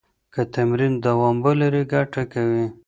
که تمرین دوام ولري، ګټه کوي.